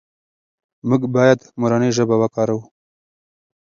موږ باید مورنۍ ژبه وکاروو.